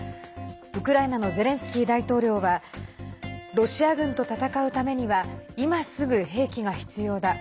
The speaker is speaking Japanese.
ウクライナのゼレンスキー大統領はロシア軍と戦うためには今すぐ兵器が必要だ。